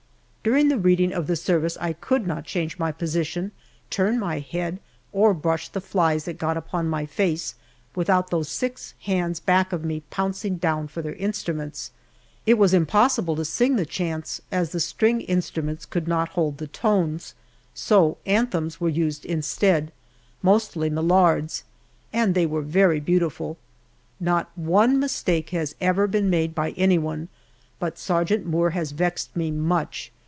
During the reading of the service I could not change my position, turn my head, or brush the flies that got upon my face, without those six hands back of me pouncing down for their instruments. It was impossible to sing the chants, as the string instruments could not hold the tones, so anthems were used instead mostly Millard's and they were very beautiful. Not one mistake has ever been made by anyone, but Sergeant Moore has vexed me much.